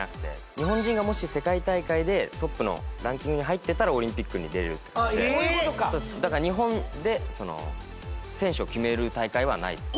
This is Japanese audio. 日本人がもし世界大会でトップのランキングに入ってたらオリンピックに出れるって感じでそういうことかだから日本で選手を決める大会はないです